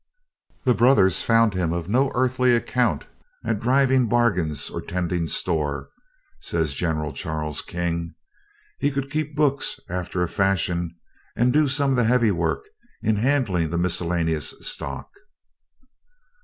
"The brothers found him of no earthly account at driving bargains, or tending store," says General Charles King. "He could keep books after a fashion and do some of the heavy work in handling the miscellaneous stock."